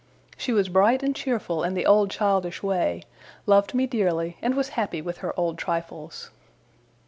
She was bright and cheerful in the old childish way, loved me dearly, and was happy with her old trifles.